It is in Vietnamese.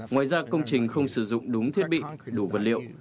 ngoài ra công trình không sử dụng đúng thiết bị đủ vật liệu